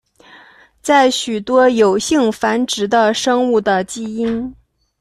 在许多有性繁殖的生物的基因。